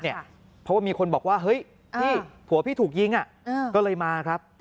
เพราะว่ามีคนบอกว่าเฮ้ยพี่ผัวพี่ถูกยิงก็เลยมาครับ